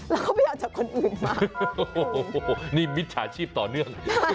แล้วก็ไปเอาจากคนอื่นมานี่มิตรฐานชีพต่อเนื่อง